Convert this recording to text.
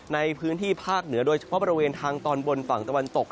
ในพื้นที่ภาคเหนือโดยเฉพาะบริเวณทางตอนบนฝั่งตะวันตก